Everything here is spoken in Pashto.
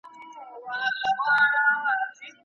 تا خو د کونړ د یکه زار کیسې لیکلي دي